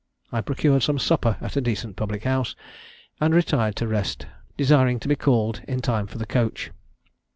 I procured some supper at a decent public house, and retired to rest, desiring to be called in time for the coach.